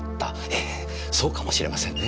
ええそうかもしれませんね。